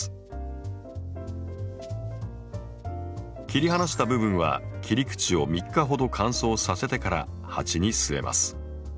切り離した部分は切り口を３日ほど乾燥させてから鉢に据えます。